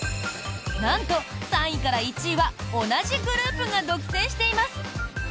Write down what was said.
なんと３位から１位は同じグループが独占しています。